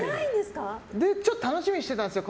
ちょっと楽しみにしてたんですよ。